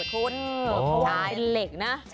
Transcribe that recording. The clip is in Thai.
ใช้เหล็กนะ